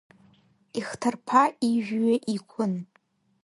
Ихҭарԥа ижәҩа иқәын.